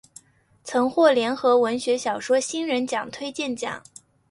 曾获联合文学小说新人奖推荐奖。